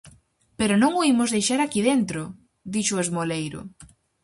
-Pero non o imos deixar aquí dentro! -dixo o esmoleiro-.